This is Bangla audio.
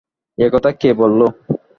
একথা কে বললো?